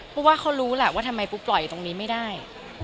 เพราะว่าเขารู้แหละว่าทำไมปูปล่อยตรงนี้ไม่ได้